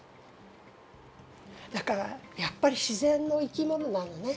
だからやっぱり自然の生き物なのね。